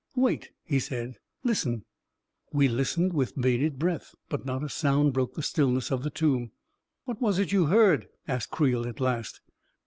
" Wait !" he said. "Listen!" We listened with bated breath, but not a sound broke the stillness of the tomb. " What was it you heard? " asked Creel, at last.